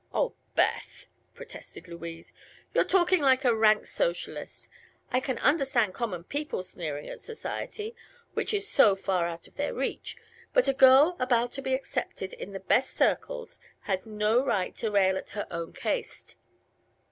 "Oh, Beth!" protested Louise. "You're talking like a rank socialist. I can understand common people sneering at society, which is so far out of their reach; but a girl about to be accepted in the best circles has no right to rail at her own caste."